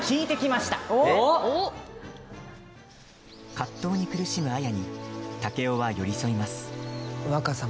葛藤に苦しむ綾に竹雄は寄り添います。